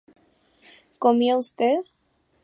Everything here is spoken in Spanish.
¿Comía usted?